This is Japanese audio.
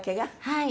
はい。